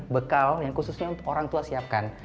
bekal yang khususnya untuk orang tua siapkan